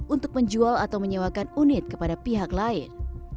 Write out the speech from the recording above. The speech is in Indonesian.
untuk menjual atau menyewakan unit kepada pihak lain